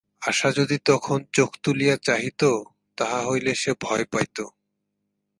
আশা যদি তখন চোখ তুলিয়া চাহিত, তাহা হইলে সে ভয় পাইত।